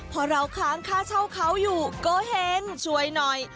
พอเราค้างค่าเช่าเขาอยู่ก็เห็นช่วยหน่อย